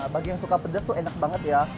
bagi yang suka pedas tuh enak banget ya